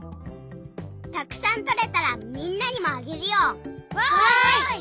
たくさんとれたらみんなにもあげるよ。わい！